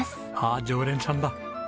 ああ常連さんだ。